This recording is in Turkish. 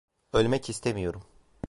Ölmek istemiyorum.